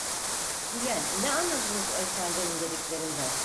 Ülen, ne anladınız o efendinin dediklerinden?